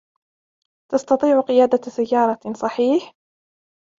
تستطيع قيادة سيارة ، صحيح ؟